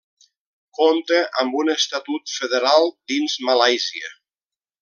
Compta amb un estatut federal dins Malàisia.